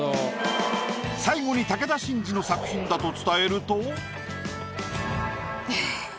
最後に武田真治の作品だと伝えると。